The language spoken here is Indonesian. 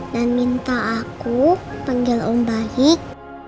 dan minta aku panggil om baik